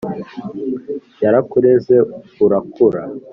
yarakureze urakura